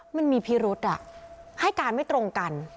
มันมีพิรุษให้การไม่ตรงกัน